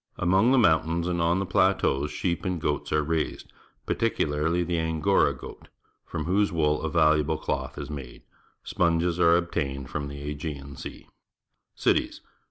Among the mountains and on the plateaus sheep and goats are raised, particularh^ the Angora goat, from whose wool a valuable cloth is made. Sponges are obtained from the Aegean Sea. Cities.